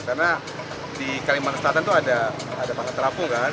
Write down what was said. karena di kalimantan selatan itu ada pakat terapung kan